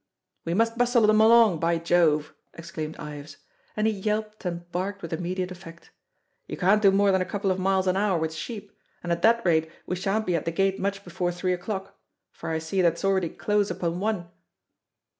"We must bustle them along, by Jove!" exclaimed Ives, and he yelped and barked with immediate effect. "You can't do more than a couple of miles an hour with sheep; and at that rate we shan't be at the gate much before three o'clock; for I see that it's already close upon one."